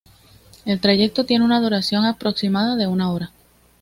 El trayecto tiene una duración aproximada de una hora.